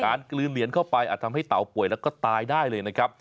กลืนเหรียญเข้าไปอาจทำให้เต่าป่วยแล้วก็ตายได้เลยนะครับ